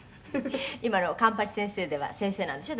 「今の『貫八先生』では先生なんでしょ？